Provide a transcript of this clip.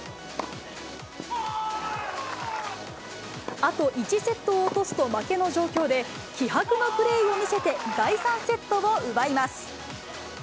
あと１セットを落とすと負けの状況で、気迫のプレーを見せて、第３セットを奪います。